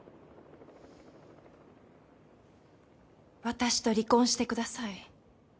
私と離婚してください。